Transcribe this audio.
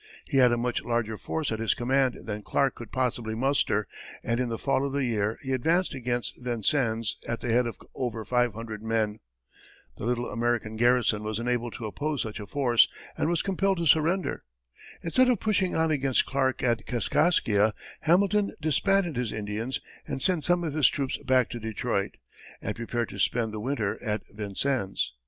He had a much larger force at his command than Clark could possibly muster, and in the fall of the year he advanced against Vincennes at the head of over five hundred men. The little American garrison was unable to oppose such a force and was compelled to surrender. Instead of pushing on against Clark at Kaskaskia, Hamilton disbanded his Indians and sent some of his troops back to Detroit, and prepared to spend the winter at Vincennes.